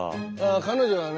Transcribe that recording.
彼女はね